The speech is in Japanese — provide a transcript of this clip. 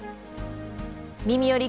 「みみより！